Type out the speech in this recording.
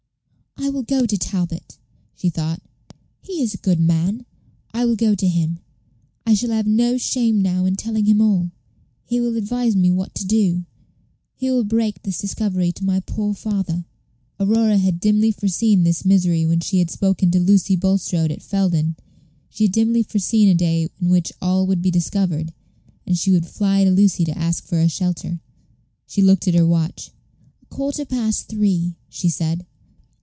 "I will go to Talbot," she thought. "He is a good man. I will go to him; I shall have no shame now in telling him all. He will advise me what to do; he will break this discovery to my poor father." Page 142 Aurora had dimly foreseen this misery when she had spoken to Lucy Bulstrode at Felden; she had dimly foreseen a day in which all would be discovered, and she would fly to Lucy to ask for a shelter. She looked at her watch. "A quarter past three," she said.